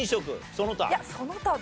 その他。